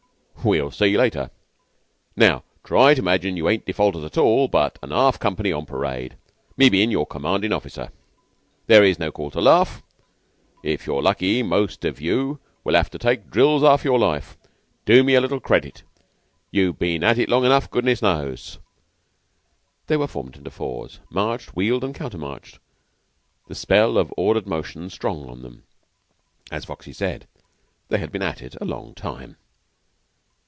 "We'll see later. Now try to imagine you ain't defaulters at all, but an 'arf company on parade, me bein' your commandin' officer. There's no call to laugh. If you're lucky, most of you will 'ave to take drills 'arf your life. Do me a little credit. You've been at it long enough, goodness knows." They were formed into fours, marched, wheeled, and countermarched, the spell of ordered motion strong on them. As Foxy said, they had been at it a long time.